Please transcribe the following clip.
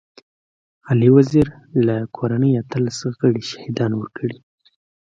علي وزير له کورنۍ اتلس غړي شهيدان ورکړي.